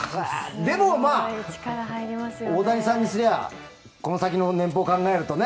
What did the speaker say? でも、まあ大谷さんにすればこの先の年俸を考えるとね。